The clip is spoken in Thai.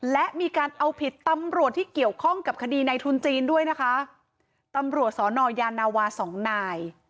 และมีการเอาผิดตำรวจที่เกี่ยวข้องกับคดีในทุนจีนด้วยนะคะตำรวจสอนอยานาวาสองนาย